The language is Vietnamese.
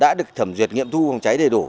đã được thẩm duyệt nghiệm thu phòng cháy đầy đủ